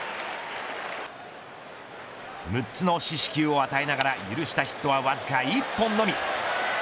６つの四死球を与えながら許したヒットはわずか１本のみ。